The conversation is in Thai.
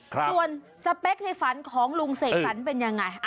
ส่วนสเปคในฝันของลุงเสกสรรเป็นยังไง